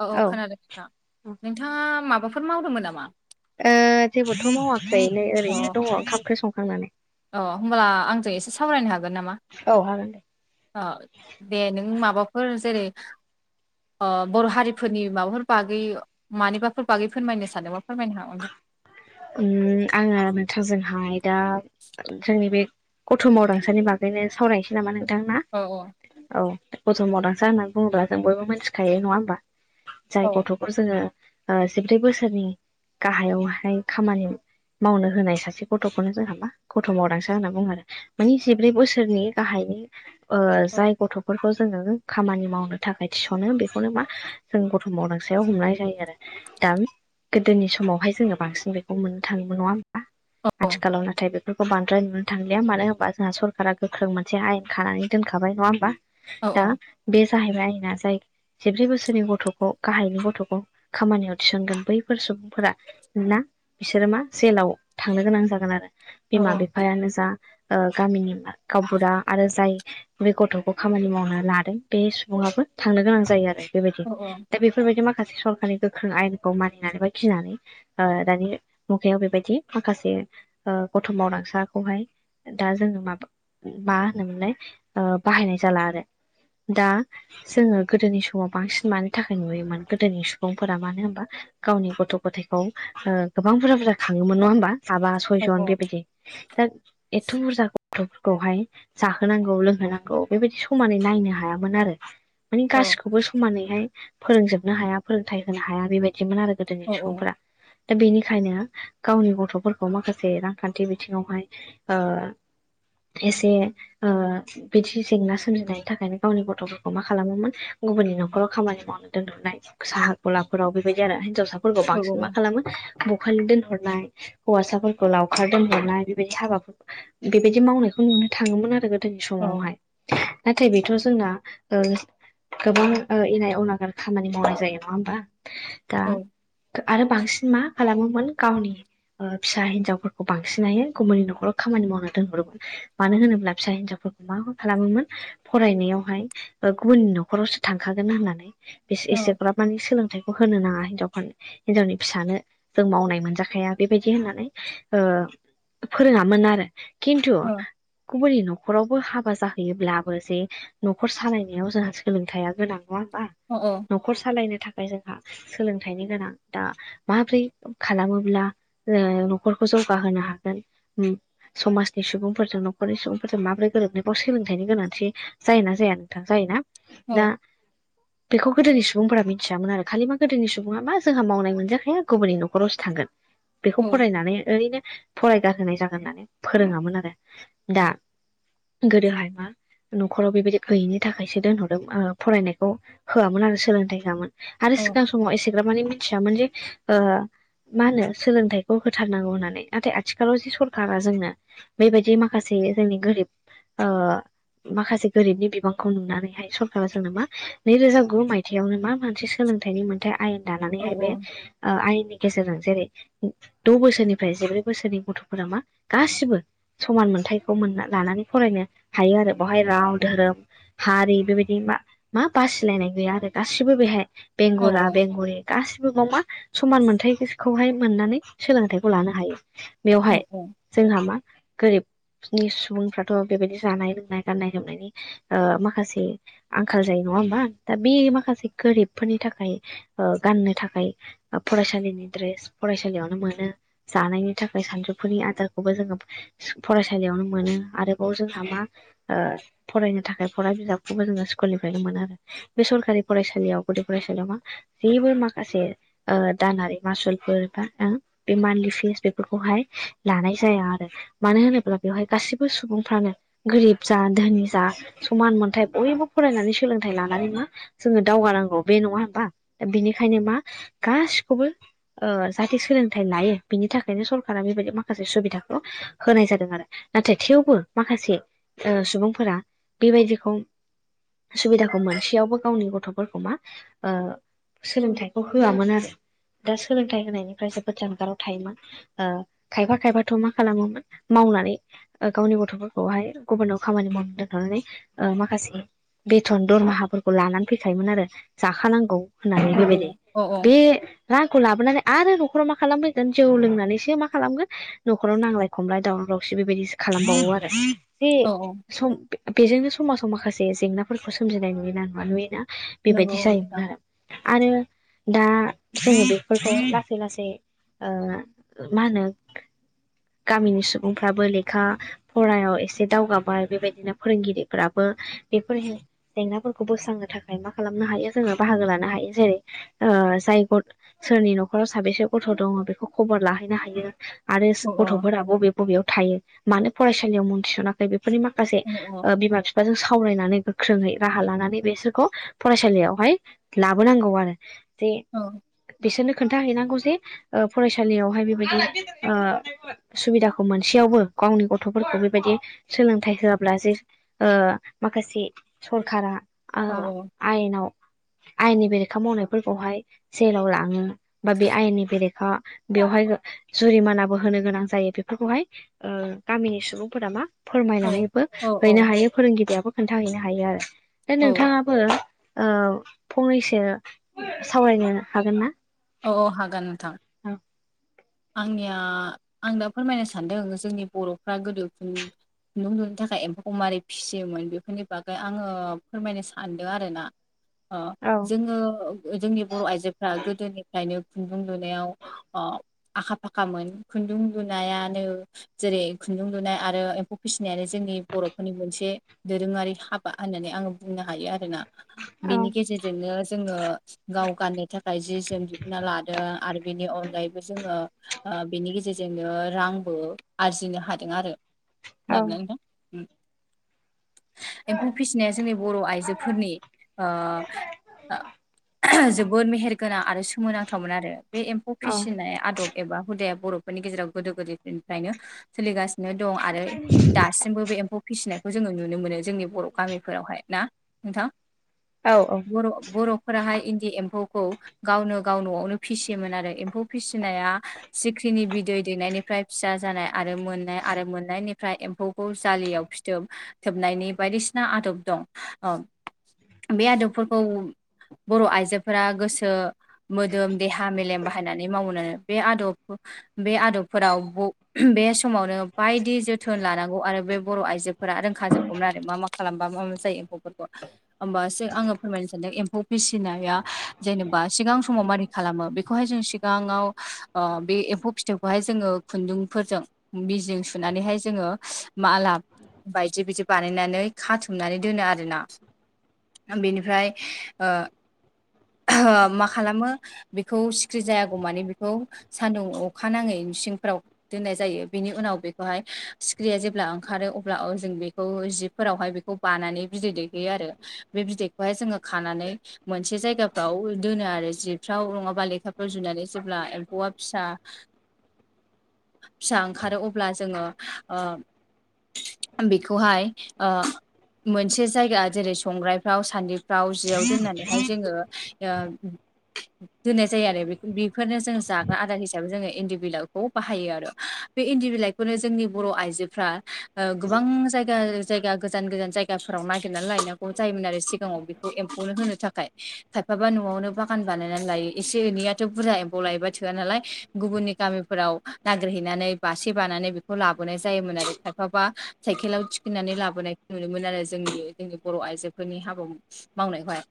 औ खोनादों नोंथां। ओ नोंथाङा माबाफोर मावदोंमोन नामा? ओ-जेबोथ' मावाखै नै अ ओरैनो दङ ओंखाम ओंख्रि संखांनानै। अ होमबब्ला आंजों एसे सावरायनो हागोन नामा? औ हागोन दे अ दे नों माबाफोर जेरै ओ-बर' हारिफोरनि माबाफोर बागै मानिबाफोर बागै फोरमायनो सानदोंबा फोरमायनो हागोन। उम आङो नोंथांजोंहाय दा जोंनि बे गथ' मावदांसानि बागैनो सावरायनोसै नामा नोंथां ना? औ औ औ गथ' मावदांस होनना बुङोब्ला जों बयबो मिथिखायो नङा होमबा? औ जाय गथ' जोङो ओ-जिब्रै बोसोरनि गाहायावहाय खामानि मावनो होनाय सासे गथ'खौनो जोंहा मा गथ' मावदांसो होनना बुङो। मानि जिब्रै बोसोरनि गाहायनि औ ओ-जाय गथ' बेफोरखौ जोङो खामानि मावनो थाखाय थिस'नो बेखौनो मा जों गथ' मावदांसायाव हमनाय जायो आरो। दा गोदोनि समावहाय जोङो बांसिन बे खौ मोननो थाङोमोन नङा होमबा? आथिखालाव नाथाय बे खौ बांद्राय नुनो थांलिया मानो होनबा जोंहा सरकारा गोख्रों मोनसे आयेन खानानै दोनखाबाय नङा होमबा? औ दा बे जाहैबाय आयेना जाय जिब्रै बोसोरनि गथ'खौ गाहायनि गथ'खौ खामानियाव थिसनगोन बैफोर सुबुंफोरा ना? बिसोरो मा जेलाव थांनो गोनां जागोन आरो औ बिमा बिफायानो जा ओ-गामिनि गावबुरा आरो जाय बे गथ'खौ खामानि मावनो लादों बे सुबुङाबो थांनो गोनां जायो आरो। बेबायदि। औ दा बेफोरबायदि माखासे सरखारनि गोख्रों आयेनखौ मानिनानै बा गिनानै ओ-दानि -' मुगायाव बेबायदि माखासे ओ- गथ' मावदांसाखौहाय दा जोङो माबा मा होनोमोनलाय ओ-बाहायनाय जाला आरो। दा जोङो गोदोनि समाव बांसिन मानि थाखाय नुयोमोन गोदोनि सुबुंफोरा मानो होनबा गावनि गथ' गथायखौ ओ-गोबां बुरजा बुरजा खाङोमोन नङा होमबा? साबा औ औ सयजन बेबायदि। दा एथ' बुरजा गथ'फोरखौहाय जाहोनांगौ लोंहोनांगौ बेबायदि समानै नायनो हायामोन आरो। मानि औ गासिखौबो समानैहाय फोरोंजोबनो हाया फोरोंथायाइ होनो हाया बेबायदिमोन आरो। गोदोनि औ सुबुंफोरा। दा बेनि बेखायनो गावनि गथ'फोरखौ माखासे रांखान्थि बिथिङावहाय ओ- द्रेसे ओ- बिदि जेंना सोमजिनायनि थाखायनो गावनि गथ'फोरखौ मा खालामोमोन गुबुननि न'खराव खामानि मावनो दोनथ'नाय साहा गलाफोराव बेबायदि आरो हिनजावसाफोरखौ औ बांसिन मा खालामो? बखालि दोनहरनाय हौवासाफोरखौ लावखार दोनहरनाय बेबायदि हाबाफोर बेबायदि मावनायखौ नुनो थाङोमोन आरो गोदोनि समावहाय। नाथाय बेथ' जोंना ओ गोबां ओ इनाय अनागार खामानि मावनाय जायो नङा होमबा। दा आरो बांसिन मा खालामोमोन गावनि ओ फिसा हिन्जावफोरखौ बांसिनै गुबुननि न'खराव खामानि मावनो दोनहरोमोन। मानो होनोब्ला फिसा हिनजावफोरखौ मा मा खालामोमोन फरायनायावहाय ओ गुबुनि न'खरावसो थांखागोन होननानै बिस एसेग्राब मानि सोलोंथाइखौ होनो नाङा हिनजावफोरनो हिनजावनि फिसानो जों मावनाय मोनजाखाया बेबायदि होननानै ओ फोरोङामोन आरो। किन्तु गुबुननि न'खरावबो हाबा जाहैयोब्लाबो जे न'खर सालायनायाव जोंहा सोलोंथाया गोनां नङा होमबा ओ ओ न'खर सालायनो थाखाय जोंहा सोलोंथाइनि गोनां दा माब्रै खालामोब्ला ओ न'खरखौ जौगाहोनो हागोन उम समाजनि सुबुंफोरजों न'खरनि सुबुंफोरजों माबोरै गोरोबनो बाव सोलोंथाइनि गोनांथि जायोना जाया नोंथां जायोना ना बेखौ गोदोनि सुबुंफोरा मिन्थियामोन आरो खालि मा गोदोनि सुबुङा मा जोंहा मावनाय मोनजाखाया गुबुननि न'ख खरसो थांगोन बेखौ फरायनानै ओरैनो फरायगारहोनाय जागोन होननानै फोरोङामोन आरो। दा गोदोहाय मा न'खराव बेबायदि गैयिनि थाखायसो दोनहरदों फरायनायखौ होआमोन आरो सोलोंथाइ होआमोन। आरो सिगां समाव एसेग्राबमानि मिथियामोन जे ओ मा होनो सोलोंथाइखौ होथारनांगौ होननानै, नाथाय आथिखालाव जि सरखारा जोंनो बेबायदि माखासे जोंनि गोरिब ओ माखासे गोरिबनि बिबांखौ नुनानैहाय सरखारा जोंनो मा नै रोजा गु मायथाइयावनो मा मोनसे सोलोंथाइनि मोनथाइ आयेन दानानैहाय बे ओ आयेननि गेजेरजों जेरै द' बोसोरनिफ्राय जिब्रै बोसोरनि गथ'फोरा मा गासिबो समान मोन्थायखौ मोना लानानै फरायनो हायो आरो बावहाय राव, धोरोम हारि बेबायदि मा मा बासिलायनाय गैया आरो गासिबो बेहाय बेंगुरा बेंगुरि गासिबो बाव मा समान मोनथाय खौहाय मोननानै सोलोंथाइखौ लानो हायो। बेवहाय जोंहा मा गोरिबनि सुबुंफ्राथ' बेबायदि जानाय-लोंनाय, गाननाय-जोमनायनि ओ माखासे आंखाल जायो नङा होमबा दा बे माखासे गोरिबफोरनि थाखाय ओ गाननो थाखाय फरायसालिनि द्रेस फरायसालियावनो मोनो जानायनि थाखाय सानजौफुनि आदारखौबो जोङो फरायसालियावनो मोनो आरोबाव जोंहा मा ओ फरायनो थाखाय फरा बिजाबखौबो जोङो स्कुलनिफ्रायनो मोनो। बे सरखारि फरायसालियाव गुदि फरायसालियाव मा जेबो माखासे दानारि मासुलफोर बा बे मान्थलि फिस बेफोरखौहाय लानाय जाया आरो। मानो होनोब्ला बेवहाय गासिबो सुबुंफ्रानो गोरिब जा धोनि जा समान मोनथाइ बयबो फरायनानै सोलोंथाइ लानानै मा जोङो दावगानांगौ बे नङा होमबा बेनिखायनो मा गासिखौबो ओ जाहाथे सोलोंथाइ लायो बिनि थाखायनो सरखारा बेबायदि माखासे सुबिदाखौ होनाय जादों आरो नाथाय थेवबो माखासे ओ सुबुंफोरा बेबायदिखौ सुबिदाखौ मोनसेयावबो गावनि गथ'फोरखौ मा ओ सोलोंथाइखौ होआमोन आरो दा सोलोंथाइ होनायनिफ्राय जोबोद जानगाराव थायोमोन। ओ खायफा खायफाथ' मा खालामोमोन मावनानै ओ गावनि गथ'फोरखौहाय गुबुनाव खामानि मावनो दोनहरनानै ओ माखासे बेथन दरमाहाफोरखौ लानानै फैखायोमोन आरो जाखानांगौ होननानै बेबायदि औ बे रांखौ लाबोनानै आरो न'खराव मा खालामफैगोन जौ लोंनानैसो मा खालामगोन न'खराव नांलाय खमलाय दावराव दावसि बेबायदिसो खालामबावो आरो जे औ सम बेजोंनो समाजाव माखासे जेंनाफोरखौ सोमजिनाय नुयोना नुवा नुयोना माने? बेबायदि नंगौ औ नंगौ जायोमोन नोंथां आरो आरो दा जोङो बेफोरखौ लासै लासै ओ मा होनो गामिनि सुबुंफ्राबो लेखा फरायाव एसे दावगाबाय बेबायदिनो फोरोंगिरिफोराबो बेफोर हे जेंनाफोरखौ बोस्रांनो थाखाय मा खालामनो हायो जोङो बाहागो लानो हायो जेरै ओ जाय भट सोरनि न'खराव साबेसे गथ' दङ' बेखौ खबर लाहैनो हायो। आरो स औ गथ'फोरा बबे बबेयाव थायो मानो फरायसालियाव मुं थिस'ना जाय बेफोरनि माखासे औ ओ बिमा बिफ बा जों सावरायनानै गोख्रोङै राहा लानानै बेसोरखौ फरायसालियावहाय लाबोनांगौ आरो बेे औ बिसोरनो खोन्थााहैनांगौ जे ओ फरायसालियावहाय बेबायदि ओ सुबिदाखौ मोनसेयावबो गावनि गथ'फोरखौ बेबायदि सोलोंथाइ होआब्ला जे ओ माखासे सरखारा ओ औ आयनाव आयेननि बेरेखा मावनायफोरखौहाय जेलाव लाङो। बा बे आयेननि बेरेखा बेवहाय जुरिमानाबो होनो गोनां जायो बेफोरखौहाय ओ गामिनि सुबुंफोरा मा औ फोरमायनानैबो हैनो औ हायो। फोरोंगिरियाबो खोन्थाहैनो हायो आरो दा औ नोंथाङा बो ओ फंनैसो सावरायनो हागोन। अ हागोन नोंथां औ आंनिया आं दा फोरमायनो सानदों जोंनि बर'फ्रा गोदो बो खुन्दुं लुनो थाखाय एम्फौखौ मारै फिसियोमोन बेफोरनि बागै आङो फोरमायनो सानदों आर ना। अ जोङो जोंनि बर' आइजोफ्रा गोदोनि ओफ्रायनो खुन्दुं लुनायाव अ आखा फाखामोन खुन्दुं लुनायानो जेरै खुन्दुं लुनाय आरो एम्फौ फिसिनायानो जोंनि बर'फोरनि मोनसे दोरोङारि हाबा होननानै आं बुंनो हायो आरो होनना औ बिनि गेजेरजोंनो जोङो गाव गाननो थाखाय जि जोम ना लादों आरो बेनि अनगायैबो जोङो ओ बेनि गेजेरजोंनो रांबो आरजिनो हादों आरो औ खोनादों ना नोंथां उम एम्फौ फिसिनाया जोंनि बर' आइजोफोरनि ओ ओ जोबोद मेहेरगोनां आरो सोमोनांथावमोन आरो बे एम्फौ फिसिनाय आदब एबा हुदाया बर'फोरनि गेजेराव गोदो गोदायनिफ्रायनो सोलिगासिनो दं आरो दासिम सिमबो बे एम्फौ फिसिनायखौ जोङो नुनो मोनो जोंनि बर' गामिफोरावहाय ना नोंथां औ औ बर' बर'फोराहाय इन्दि एम्फौखौ गावनो गाव न'आवनो फिसियोमोन आरो एम्फौ फिसिनाया सिख्रिनि बिदै दैनायनि फ्राय फिसा जानाय आरो मोननाय आरो मोननायनिफ्राय एम्फौखौ जालियाव फिथोब थोबनायनि बायदिसिना आदब दं ओ बे आदबफोरखौ बर आइजोफोरा गोसो मोदोम देहा मेलेम बाहायनानै मावनानो बे आदब बे आदबफोराव ब बे समावनो बायदि जोथोन लानांगौ आरो बे बर' आइजो फोरा रोंखाजोबगौमोन आरो मा खालामबा मा जायो एम्फौफोरखौ होमबासो आङो फोरमायनो सानदों एम्फौ फिसिनाया जेनेबा सिगां स समाव मारै खालामो बेखौहाय जों सिगाङाव ओ बे एम्फौ फिथोबखौहाय जोङो खुन्दुंफोरजों बिजिजों सुनानैहाय जोङो मा लाब बायदि बिदि बानायनानै खाथुमनानै दोनो आरोना बेनिफ्राय ओ ओ मा खालामो बेखौ सिख्रि जायागौ बेखौ सान्दुं अखा नाङै सिंफ्राव दोननाय जायो बिनि उनाव बेखौहाय सिख्रिया जेब्ला ओंखारो अब्ला ओ जों बेखौ जिब फोरावहाय बेखौ बानानै बिदै दैहैयो आरो बे बिदैखौहाय जोङो खानानै मोनसे जायगाफ्राव दोनो आरो आरो जिफ्राव नङाबा लेखाफ्राव जुनानै जेब्ला एम्फौआ फिसा फिसा ओंखारो अब्ला जोङो ओ बेखौहाय ओ मोनसे जायगा जेरै संग्रायफ्राव सान्दि राव जियाव दोननानैहाय जोङो ओ दोननाय जायो आरो बेफोरनो जों जाग्रा आदार हिसाबै जोङो इन्दि बिलावखौ बाहायो आरो। बे इन्दि बिलाइखौनो जोंनि बर' आइजोफ्रा गोबां जायग जायगा जायगा गोजान गोजान जायगाफोराव नागिरनानै लायनांगौ जायोमोन आरो सिगाङाव बेखौ एम्फौनो होनो थाखाय। खायफाबा न'आवनो बां खान बानायनानै लायो एसे एनैयाथ' बुरजा एम्फबौ लायोबा थोया नालाय गुबुननि गामिफोराव। नागिरहैनानै बासे बानानै बेखौ लाबोनाय जायोमोन आरो खायफाबा साइकेलाव थिखिनानै लाबोनाय। नुनो मोन आरो जोंनि जोंनि बर' आइजोयधपफोरनि हाबा मावनायखौहाय।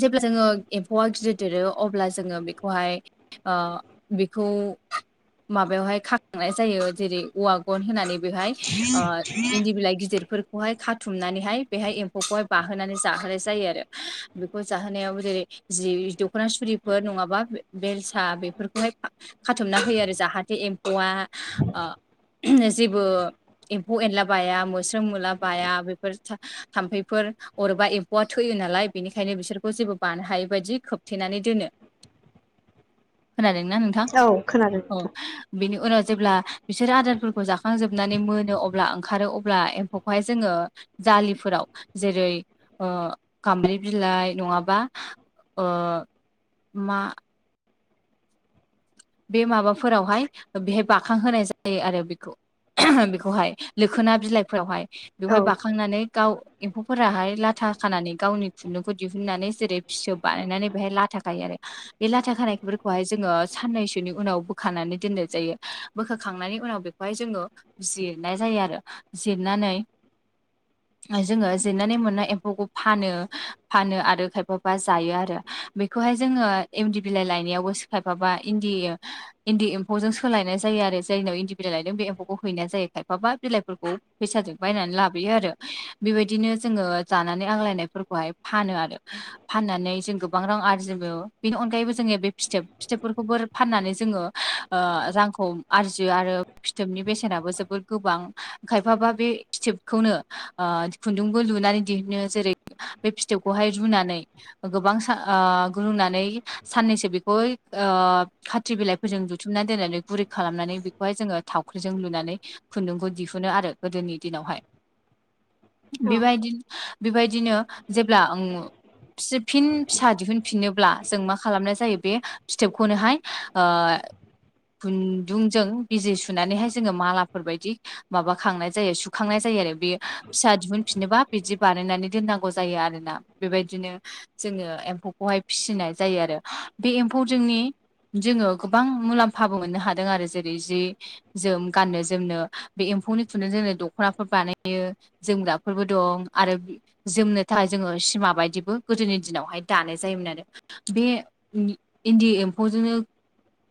जे‌बला जोङो। एम्फौआ गिदिर देरो अब्ला जोङो बेखौहाय ओ बेखौ। माबायावहाय खांनाय जायो जेरै। औवा गन होनानै बेहाय ओ इन्दि बिलाइ गिदिरफोर बेखौहाय खाथुमनानैहाय बेहाय एम्फौखौहाय बाहोनानै जाहोनाय जायो आरो बेखौ जाहोनायाव जेरै। जि दख'ना सुरिफोर नङाबा बेलसा बेफोरखौहाय। खाथुमना होयो आरो जाहाथे एम्फौआ ओ जेबो। एम्फौ एनला बाया मोस्रोम मुला बाया बेफोर था थाम्फैफोर। अरेबा एम्फौआ थोयो नालाय बेनिखायनो बिसोरखौ जेबो बानो हायि बायदि खोबथेनानै दोन खोनादोंना नोंथां औ खोनादों औ। नोंथां। बिनि उनाव जेब्ला बिसोर आदारफोरखौ जाखांजोबनानै मोनो अब्ला ओंखारो अब्ला एम्फौखौहाय जोङो। जालिफोराव जेरै ओ खामब्रि बिलाइ नङाबा। ओ मा। बे माबाफोरावहाय बेहाय बाखां होनाय जायो आरो बेखौ। बेखौहाय लोखोना बिलाइफोरावहाय औ बेवहाय बाखांनानै गाव। एम्फौफोराहाय लाथा खानानै गावनि खुन्दुंखौ दिहुननानै जेरै फिसौ बानायनानै बेहाय लाथा खायो आरो। बे लाथा खानायफोरखौहाय जोङो साननैसो। नि उनाव बोखानानै जायो बोखखांनायनि उनाव जोङो। जिरनाय जायो आरो जिरनानै। [inaudible] जोंङो जिरनानै मोननाय एम्फौखौ फानो आरो खायफाबा जायो आरो। बेखौहाय जोंङो इन्दि बिलाइ लायनायावबो सिखायफाबा इन्दि। इन्दि एम्फौजों सोलायनाय जायो आरो जायनिाव इन्दि बिलाइ लायदों बे एम्फौखौ हैनाय जायो खायफाबा बिलाइफोरखौ। लाबोयो आरो बेबायदिनो जोंङो। जानानै आंलायनायफोरखौहाय फानो आरो फाननानै जों गोबां रां आरजिबो। बेनि अनगायैबो जोंङो बे फिथोब फिथोबफोरखौबो। फाननानै जोंङो रांखौ आरजियो आरो। फिथोबनि बेसेनाबो जोबोर गोबां। बे स्टेपखौनो लुनानै दिहुनो जेरै। बे फिथौखौहाय रुनानै। गोबां स गुलुंनानै साननैसो बेखौ। खाथि बिलाइफोरजों लुथुमनानै दोननानै गुरै खालामनानै बेखौहाय जोङो थावख्रिजों लुनानै। खुन्दुंखौ दिहुनो आरो गोदोनि दिनावहाय। औ बेबायदि बेबायदिनो जेब्ला। फिन फिसा दिहुनफिनोब्ला जों मा खालामनाय जायो बे फिथोबखौनोहाय। खुन्दुंजों बिजि सुनानैहाय जोंङो मालाफोरबायदि। माबाखांना जायो सुखांनाय जायो आरो बे फिसा बिदि बानायनानै दोननांगौ आरोना। बेबायदिनो जोंङो एम्फौखौहाय फिसिनाय जायो आरो बे एम्फौ जोंनि। जोंङो गोबां मुलाम्फाबो मोननो हादों आरो जेरै जि। जोम गाननो जोमनो बे एम्फौनि थुनो जोंनो दख'नाफोर बानायो। जोमग्राफोरबो दं आरो जोमनो थाखाय जोंङो बायदिबो गोदोनि दिनावहाय दानाय जायोमोन आरो बे इन इन्दि एम्फौजोंनो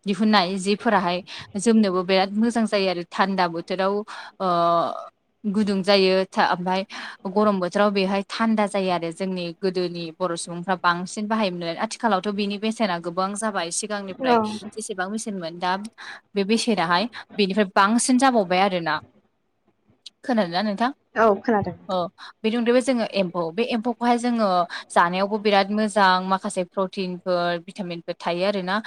दिहुननाय जिफोराहाय जोमनोबो बिराद मोजां जायो आरो थान्दा बोथोराव अ गुदुं जायो था ओमफाय गरम बोथोराव बेहाय थान्दा जायो आरो जोंनि गोदोनि बर' सुबुंफ्रा बांसिन बाहायोमोनो आथिखालावथ' बिनि बेसेना गोबां जाब बाय औ सिगांनिफ्राय बेसेबां बेसेनमोन दा बे बेसेनाहाय बेनिफ्राय बांसिन जाबावबाय आरो ना खोनादोंला नोंथां? औ खोनादों। औ बेनि अनगायैबो जोङो एम्फौ बे एम्फौखौहाय जोंङो जानायावबो बिराद मोजां माखासे प्रटिनफोर भिटामिनफोर थायो आरोना।